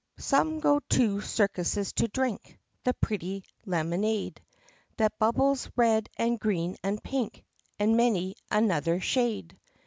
Some go to circuses to drink The pretty lemonade That bubbles red and green and pink And many another shade.